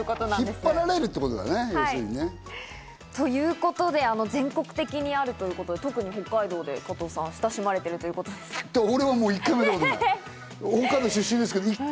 引っ張られるってことだね、要するに。ということで、全国的にあるということで、特に北海道で親しまれているということです、加藤さん。